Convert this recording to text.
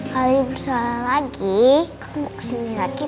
halibur seolah lagi